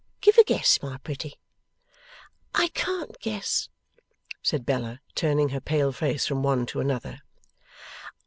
Give a guess, my pretty!' 'I can't guess,' said Bella, turning her pale face from one to another.